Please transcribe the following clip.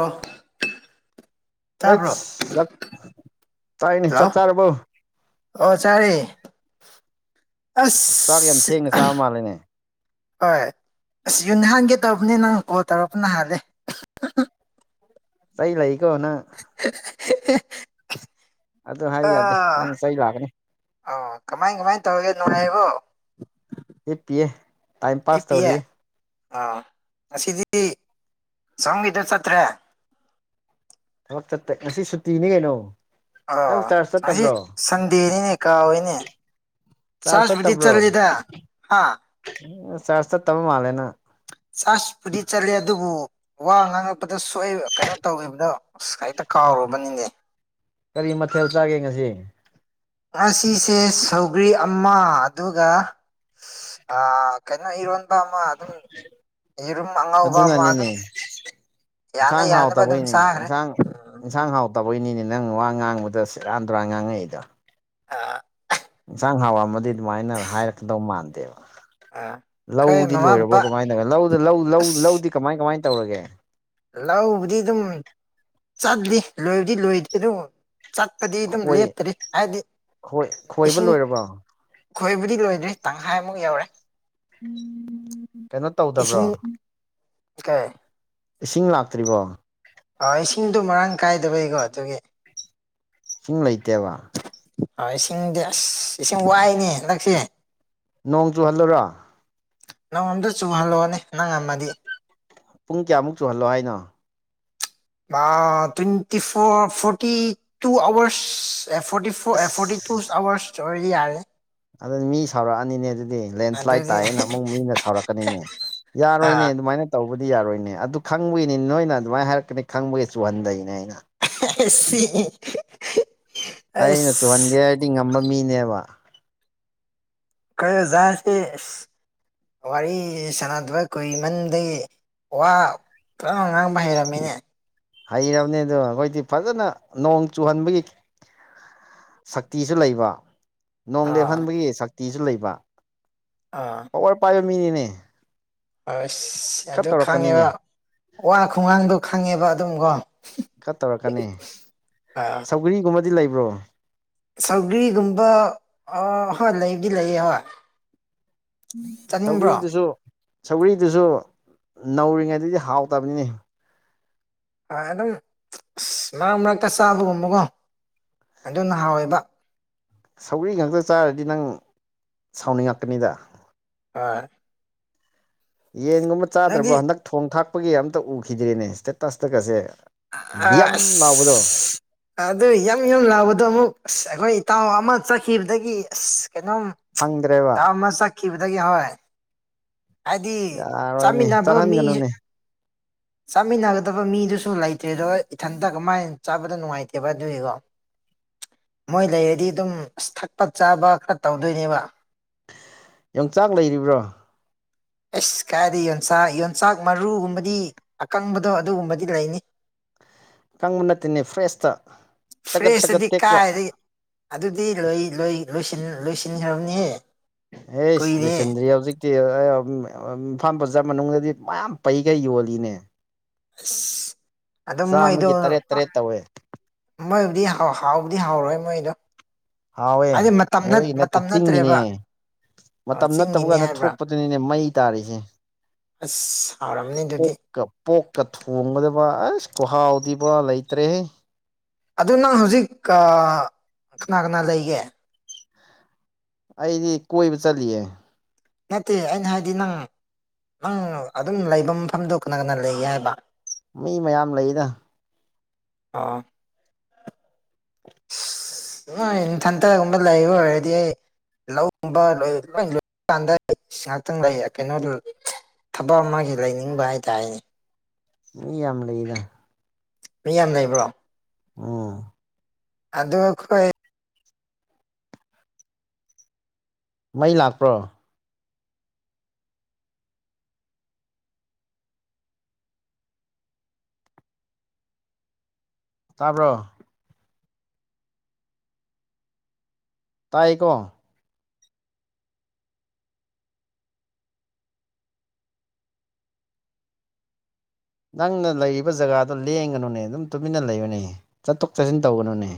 ꯑꯥ ꯑꯩ ꯆꯠ ꯇꯥꯏꯅꯤ ꯆꯥꯛ ꯍꯜꯂꯣ ꯆꯥꯔꯕꯎ ꯑꯣ ꯆꯥꯔꯦ ꯑꯁ ꯃꯥꯂꯅꯦ ꯍꯣꯏ ꯑꯁ ꯌꯨꯡ ꯍꯥꯟꯒꯦ ꯇꯧꯕꯅꯦ ꯅꯪ ꯀꯣꯜ ꯇꯧꯔꯛꯄ ꯅ ꯍꯥꯟꯂꯦ ꯆꯩ ꯂꯩꯀꯣ ꯅꯪ [unintelligible] ꯑꯗꯨ ꯍꯥꯏꯕ ꯌꯥꯗꯦ ꯅꯪ ꯑꯥ ꯆꯩ ꯂꯥꯛꯀꯅꯤ ꯑꯣ ꯀꯃꯥꯏ ꯀꯃꯥꯏꯅ ꯇꯧꯔꯤꯒꯦ ꯅꯨꯡꯉꯥꯏꯔꯤꯕꯣ ꯍꯤꯄꯤꯌꯦ ꯑꯩ ꯄꯤꯌꯦ ꯑꯥ ꯉꯁꯤꯗꯤ ꯁꯝꯒꯤꯗ ꯆꯠꯇ꯭ꯔꯦ ꯊꯕꯛ ꯆꯠꯇ ꯉꯁꯤ ꯁꯨꯨꯇꯤꯅꯤ ꯀꯩꯅꯣ ꯅꯪ ꯑꯥ ꯆꯥꯔꯖ ꯑꯩ ꯆꯠꯇꯕ꯭ꯔꯣ ꯁꯟꯗꯦꯅꯤꯅꯦ ꯀꯥꯎꯏꯅꯦ ꯆꯥꯔꯖ ꯆ꯭ꯔꯁꯄꯨꯗꯤ ꯆꯠ ꯂꯤꯗ ꯍꯥ ꯆ꯭ꯔꯁ ꯆꯠ ꯇ ꯃꯥꯂꯦ ꯅꯣꯏ ꯆꯁ ꯄꯨꯗꯤ ꯆꯠꯂꯦ ꯑꯗꯨꯕꯨ ꯋꯥ ꯉꯥꯡꯉꯛꯄꯗ ꯁꯣꯛꯑꯕ ꯀꯩꯅꯣ ꯇꯧꯈꯤꯕꯗꯣ ꯑꯁ ꯍꯦꯛꯇ ꯀꯥꯎꯔꯨꯔꯕꯅꯤꯅꯦ ꯀꯔꯤ ꯃꯊꯦꯜ ꯆꯥꯒꯦ ꯉꯁꯤ ꯉꯁꯤꯁꯦ ꯁꯧꯒ꯭ꯔꯤ ꯑꯃ ꯑꯗꯨꯒ ꯑ ꯀꯩꯅꯣ ꯏꯔꯦꯟ ꯑꯃ ꯑꯗꯨꯝ ꯌꯦꯔꯨꯝ ꯑꯉꯧꯕ ꯑꯃ ꯑꯗꯨꯝ ꯑꯗꯨꯅꯅꯤꯅꯦ ꯌꯥꯅ ꯏꯟꯁꯥꯡ ꯌꯥꯅꯕ ꯑꯗꯨꯝ ꯍꯥꯎꯇꯕꯩꯅꯦ ꯆꯥꯈ꯭ꯔꯦ ꯏꯟꯁꯥꯡ ꯏꯟꯁꯥꯡ ꯍꯥꯎꯇꯕꯩꯅꯤꯅꯦ ꯅꯪ ꯋꯥ ꯉꯥꯡꯕꯗ ꯁꯤꯔꯥꯟ ꯇꯨꯔꯥꯟ ꯉꯥꯡꯉꯛꯏꯗꯣ ꯑꯥ ꯌꯦꯟꯁꯥꯡ ꯍꯥꯎꯔꯝꯃꯗꯤ ꯑꯗꯨꯃꯥꯏꯅ ꯍꯥꯏꯔꯛꯀꯗꯧ ꯃꯥꯟꯗꯦꯕ ꯑꯥ ꯈꯣꯏ ꯂꯧꯗꯤ ꯃꯃꯥ ꯂꯣꯏꯔꯕꯣ ꯕꯕꯥ ꯀꯃꯥꯏꯅ ꯇꯧꯒꯦ ꯂꯧꯗꯤ ꯂꯧꯗꯤ ꯂꯧꯗ ꯂꯧ ꯂꯧꯗꯤ ꯀꯃꯥꯏ ꯀꯃꯥꯏꯅ ꯇꯧꯔꯒꯦ ꯂꯕꯨꯗꯤ ꯑꯗꯨꯝ ꯆꯠꯂꯤ ꯂꯣꯏꯕꯨꯗꯤ ꯂꯣꯏꯗꯦ ꯑꯗꯨꯝ ꯆꯠ ꯗꯤ ꯑꯗꯨꯝ ꯈꯣꯏ ꯂꯦꯞꯇꯔꯤ ꯍꯥꯏꯕꯗꯤ ꯈꯣꯏ ꯈꯣꯏꯕ ꯏꯁꯤꯡ ꯂꯣꯏꯔꯕꯣ ꯈꯣꯏꯕꯗꯤ ꯂꯣꯏꯗ꯭ꯔꯤ ꯇꯪꯈꯥꯏꯃꯨꯛ ꯌꯧꯔꯦ ꯀꯩꯅꯣ ꯇꯧꯗꯕ꯭ꯔꯣ ꯀꯥꯏ ꯏꯁꯤꯡ ꯂꯥꯛꯇ꯭ꯔꯤꯕꯣ ꯑ ꯏꯁꯤꯡꯗꯣ ꯃꯔꯥꯡ ꯀꯥꯏꯗꯕꯩꯀꯣ ꯑꯗꯨꯒꯤ ꯏꯁꯤꯡ ꯂꯩꯇꯦꯕ ꯑ ꯏꯁꯤꯡꯗꯤ ꯑꯁ ꯏꯁꯤꯡ ꯋꯥꯏꯅꯦ ꯍꯟꯗꯛꯁꯦ ꯅꯣꯡ ꯆꯨꯍꯜꯂꯔꯥ ꯅꯣꯡ ꯑꯃꯝꯇ ꯆꯨꯍꯜꯂꯣꯑꯣꯅꯦ ꯅꯪ ꯉꯝꯃꯗꯤ ꯄꯨꯡ ꯀꯌꯥꯃꯨꯛ ꯆꯨꯍꯜꯂꯣ ꯍꯥꯏꯅꯣ ꯑ twenty four forty two hours ꯑꯦ forty four forty two hours ꯑꯣꯏꯔꯗꯤ ꯌꯥꯔꯦ ꯑꯗꯨ ꯃꯤ ꯁꯥꯎꯔꯛꯑꯅꯤꯅꯦ ꯑꯗꯨꯗꯤ ꯂꯦꯟꯁ꯭ꯂꯥꯏꯠ ꯑꯗꯨꯗꯤ ꯇꯥꯛꯑꯦꯅ ꯑꯃꯨꯛ ꯃꯤꯅ ꯁꯥꯎꯔꯛꯀꯅꯤꯅꯦ ꯌꯥꯔꯣꯏꯅꯦ ꯑꯥ ꯑꯗꯨꯃꯥꯏꯅ ꯇꯧꯕꯗꯤ ꯌꯥꯔꯣꯏꯅꯦ ꯑꯗꯨ ꯈꯪꯕꯒꯤꯅꯤ ꯅꯣꯏꯅ ꯑꯗꯨꯃꯥꯏꯅ ꯍꯥꯏꯔꯛꯀꯅꯤ ꯈꯪꯕꯒꯤ ꯆꯨꯍꯟꯗꯩꯅꯦ ꯑꯩꯅ ꯑꯦꯁꯤ ꯑꯩꯅ ꯆꯨꯍꯟꯒꯦ ꯍꯥꯏꯗꯤ ꯉꯝꯕ ꯃꯤꯅꯦꯕ ꯈꯣꯏ ꯑꯣꯖꯁꯤ ꯋꯥꯔꯤꯁꯤ ꯁꯥꯟꯅꯗꯕ ꯀꯨꯏꯃꯟꯗꯥꯒꯤ ꯋꯥ ꯐꯥꯅꯥ ꯉꯥꯡꯕ ꯍꯩꯔꯝꯃꯤꯅꯦ ꯍꯔꯝꯅꯤꯗꯣ ꯑꯩꯈꯣꯏꯗꯤ ꯐꯖꯅ ꯅꯣꯡ ꯆꯨꯍꯟꯕꯒꯤ ꯁꯛꯇꯤꯁꯨ ꯂꯩꯕ ꯅꯣꯡ ꯑꯥ ꯂꯦꯞꯍꯟꯕꯒꯤ ꯁꯛꯇꯤꯁꯨ ꯂꯩꯕ ꯑꯥ ꯄꯣꯋꯥꯔ ꯄꯥꯏꯕ ꯃꯤꯅꯤꯅꯦ ꯑꯁ ꯈꯔ ꯑꯗꯨ ꯇꯧꯔꯛꯀꯅꯤꯅꯦ ꯈꯪꯉꯦꯕ ꯋꯥ ꯈꯨꯪꯉꯥꯡꯗꯣ ꯈꯪꯉꯦꯕ ꯑꯗꯨꯝꯀꯣ ꯈꯔꯥ ꯇꯧꯔꯛꯀꯅꯤ ꯁꯧꯒꯔꯤꯒꯨꯝꯕꯗꯤ ꯂꯩꯕ꯭ꯔꯣ ꯁꯧꯒ꯭ꯔꯤꯒꯨꯝꯕ ꯑ ꯍꯣꯏ ꯂꯩꯕꯥꯗꯤ ꯂꯩꯌꯦ ꯍꯣꯏ ꯆꯥꯅꯤꯡꯕ꯭ꯔꯣ ꯁꯧꯒꯔꯤꯗꯨꯁꯨ ꯁꯧꯒꯔꯤꯗꯨꯁꯨ ꯅꯧꯔꯤꯉꯩꯗꯗꯤ ꯍꯥꯎꯇꯕꯅꯤꯅꯦ ꯍꯣꯏ ꯑꯗꯨꯝ ꯑꯁ ꯃꯔꯛ ꯃꯔꯛꯇ ꯆꯥꯕꯒꯨꯝꯕꯀꯣ ꯑꯗꯨꯅ ꯍꯥꯎꯋꯦꯕ ꯁꯧꯒꯔꯤ ꯉꯥꯛꯇ ꯆꯥꯔꯗꯤ ꯅꯪ ꯁꯥꯎꯅꯤꯡꯉꯛꯀꯅꯤꯗ ꯍꯣꯏ ꯌꯦꯟꯒꯨꯝꯕ ꯆꯥꯗ꯭ꯔꯕꯣ ꯅꯪꯗꯤ ꯍꯟꯗꯛ ꯊꯣꯡ ꯊꯥꯛꯄꯒꯤ ꯑꯃꯝꯇ ꯎꯈꯤꯗ꯭ꯔꯦꯅꯦ ꯏꯁꯇꯦꯇꯁꯇꯥꯒꯥꯁꯦ ꯑꯥ ꯑꯁ ꯑꯗꯨ ꯌꯥꯝ ꯌꯨꯝ ꯂꯥꯎꯕꯗꯣ ꯑꯃꯨꯛ ꯑꯁ ꯑꯩꯈꯣꯏ ꯏꯇꯥꯎ ꯑꯃ ꯆꯠꯈꯤꯕꯗꯒꯤ ꯑꯁ ꯀꯩꯅꯣꯝ ꯐꯪꯗ꯭ꯔꯦꯕ ꯏꯇꯥꯎ ꯃꯥ ꯆꯠꯈꯤꯕꯗꯥꯒꯤ ꯍꯣꯏ ꯍꯥꯏꯗꯤ ꯌꯥꯔꯣꯏꯅꯦ ꯆꯥꯃꯤꯟꯅꯕ ꯃꯤ ꯆꯥꯍꯟꯒꯅꯨꯅꯦ ꯆꯥꯃꯤꯟꯅꯒꯗꯕ ꯃꯤꯗꯨꯁꯨ ꯂꯩꯇ꯭ꯔꯦ ꯑꯗꯣ ꯏꯊꯟꯇ ꯀꯃꯥꯏꯅ ꯆꯥꯕꯗ ꯅꯨꯡꯉꯥꯏꯇꯦꯕ ꯑꯗꯨꯒꯤꯀꯣ [inaudible] ꯃꯣꯏ ꯂꯩꯔꯗꯤ ꯑꯗꯨꯝ ꯑꯁ ꯊꯛꯄ ꯆꯥꯕ ꯈꯔ ꯇꯧꯗꯣꯏꯅꯦꯕ ꯌꯣꯡꯆꯥꯛ ꯂꯩꯔꯤꯕ꯭ꯔꯣ ꯑꯁ ꯀꯥꯏꯗꯩꯩ ꯌꯣꯟꯆꯥꯛ ꯌꯣꯟꯆꯥꯛ ꯃꯔꯨꯒꯨꯝꯕꯗꯤ ꯑꯀꯪꯕꯗꯣ ꯑꯗꯨꯒꯨꯝꯕꯗꯤ ꯂꯩꯅꯤ ꯑꯥꯀꯪꯕ ꯅꯠꯇꯦꯅꯦ ꯐ꯭ꯔꯦꯁꯇ ꯇꯒꯠ ꯇꯥꯒꯠ ꯐ꯭ꯔꯦꯁꯇꯗꯤ ꯇꯦꯛꯄ ꯀꯥꯏꯗꯒꯤ ꯑꯗꯨꯗꯤ ꯂꯣꯏ ꯂꯣꯏ ꯂꯣꯏꯁꯤꯟꯈ꯭ꯔꯥꯕꯅꯤꯍꯦ ꯑꯦꯁ ꯂꯣꯏꯁꯤꯟꯗ꯭ꯔꯤ ꯍꯧꯖꯤꯛ ꯏꯝꯐꯥꯜ ꯕꯖꯥꯔ ꯃꯅꯨꯡꯗꯗꯤ ꯃꯌꯥꯝ ꯄꯩꯒꯩ ꯌꯣꯜꯂꯤꯅꯦ ꯑꯁ ꯑꯗꯨꯝ ꯃꯣꯏꯗꯣ ꯆꯥꯝꯃꯒꯤ ꯇꯔꯦꯠ ꯇꯔꯦꯠ ꯇꯧꯋꯦ ꯃꯣꯏꯕꯨꯗꯤ ꯍꯥꯎꯕꯗꯤ ꯍꯥꯎꯔꯣꯏ ꯃꯣꯏꯗꯣ ꯍꯥꯎꯋꯦ ꯍꯥꯏꯗꯤ ꯃꯇꯝ ꯅꯠ ꯃꯣꯔꯦꯒꯤ ꯅꯠꯇꯦ ꯃꯇꯝ ꯆꯤꯡꯒꯤꯅꯦ ꯅꯠꯇ꯭ꯔꯦꯕ ꯍꯥꯏ ꯑ ꯃꯇꯝ ꯅꯠꯇꯕ ꯆꯤꯡꯒꯤꯅꯤ ꯀꯥꯟꯗ ꯍꯥꯏꯕ꯭ꯔꯥ ꯊꯣꯛꯄꯗꯨꯅꯤꯅꯦ ꯃꯩ ꯇꯥꯔꯤꯁꯦ ꯑꯁ ꯍꯥꯎꯔꯝꯅꯤ ꯑꯗꯨꯗꯤ ꯄꯣꯛꯀ ꯄꯣꯛꯀ ꯊꯣꯡꯕꯥꯗꯕ ꯑꯁ ꯈꯨꯍꯥꯎꯗꯤꯕꯥ ꯂꯩꯇ꯭ꯔꯦꯍꯩ ꯑꯗꯨ ꯅꯪ ꯍꯧꯖꯤꯛ ꯀꯅꯥ ꯀꯅꯥ ꯂꯩꯒꯦ ꯑꯩꯗꯤ ꯀꯣꯏꯕ ꯆꯠꯂꯤꯌꯦ ꯅꯠꯇꯦ ꯑꯩꯅꯥ ꯍꯥꯏꯗꯤ ꯅꯪ ꯅꯪ ꯑꯗꯨꯝ ꯂꯩꯕ ꯃꯐꯝꯗꯣ ꯀꯅꯥ ꯀꯅꯥ ꯂꯩꯒꯦ ꯍꯥꯏꯕ ꯃꯤ ꯃꯌꯥꯝ ꯂꯩꯗꯥ ꯑꯥ ꯑꯁ ꯅꯣꯏ ꯅꯥꯊꯟꯇꯒꯨꯝꯕ ꯂꯩꯕ ꯑꯣꯏꯔꯗꯤ ꯑꯩ ꯂꯧꯒꯨꯝꯕ ꯂꯣꯏ ꯂꯣꯏ ꯂꯣꯏ ꯀꯥꯟꯗ ꯉꯍꯥꯛꯇꯪ ꯂꯩ ꯀꯩꯅꯣꯗꯨ ꯊꯕꯛ ꯑꯃꯒꯤ ꯂꯩꯅꯤꯡꯕ ꯍꯥꯏꯇꯥꯔꯦꯅꯦ ꯃꯤ ꯌꯥꯝ ꯂꯩꯗ ꯃꯤ ꯌꯥꯝ ꯂꯩꯕ꯭ꯔꯣ ꯎꯝ ꯑꯗꯨ ꯑꯈꯣꯏ ꯃꯩ ꯂꯥꯛꯄ꯭ꯔꯣ ꯇꯥꯕ꯭ꯔꯣ ꯇꯥꯏꯌꯦꯀꯣ ꯅꯪꯅ ꯂꯩꯔꯤꯕ ꯖꯒꯥꯗꯣ ꯂꯦꯡꯒꯅꯨꯅꯦ ꯑꯗꯨꯝ ꯇꯨꯃꯤꯟꯅ ꯂꯩꯌꯨꯅꯦ ꯆꯠꯊꯣꯛ ꯆꯠꯁꯤꯟ ꯇꯧꯒꯅꯨꯅꯦ